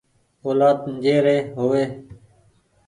اولآد جي ري هووي ۔